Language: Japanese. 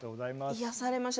癒やされました。